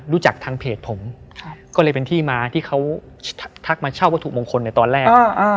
แต่ก็ทราบได้ยังนั่งรู้จักทางเพจผมก็เลยเป็นที่มาที่เขาทักมาเช่าวัตถุมงคนตอนแรก